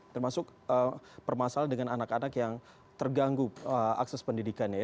termasuk permasalahan dengan anak anak yang terganggu akses pendidikannya